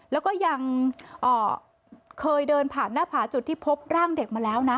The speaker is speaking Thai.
แล้วก็ยังเคยเดินผ่านหน้าผาจุดที่พบร่างเด็กมาแล้วนะ